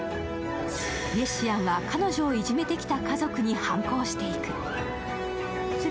レシアンは彼女をいじめてきた家族に反抗する。